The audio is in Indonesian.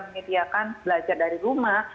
menyediakan belajar dari rumah